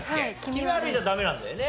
気味悪いじゃダメなんだよね。